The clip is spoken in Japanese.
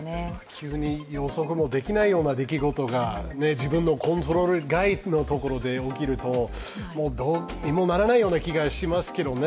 急に予測もできないような出来事が自分のコントロール外のところで起きると、どうにもならないような気がしますけれどもね。